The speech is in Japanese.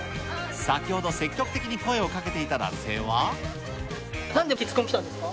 先ほど積極的に声をかけていなんて鉄コン来たんですか。